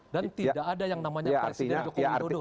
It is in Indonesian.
dan tidak ada yang namanya presiden jokowi dodoh